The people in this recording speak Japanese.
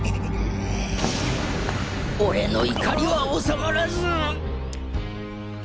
俺の怒りは収まらず。